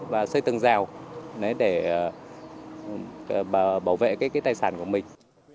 và xây tường rào để bảo vệ cái tài sản của mình